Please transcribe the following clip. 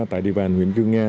tại địa bàn huyện cư mga